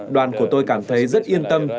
đoàn của tôi cảm thấy rất yên tâm